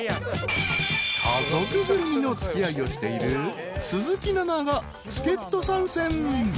［家族ぐるみの付き合いをしている鈴木奈々が助っ人参戦］